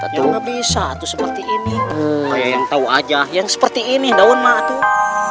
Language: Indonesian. atau bisa tuh seperti ini yang tahu aja yang seperti ini daun matuh